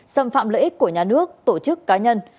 xâm phạm lợi ích của nhà nước tổ chức cá nhân